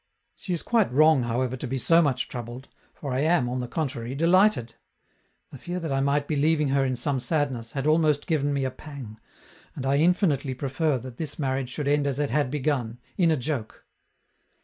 She is quite wrong, however, to be so much troubled, for I am, on the contrary, delighted. The fear that I might be leaving her in some sadness had almost given me a pang, and I infinitely prefer that this marriage should end as it had begun, in a joke.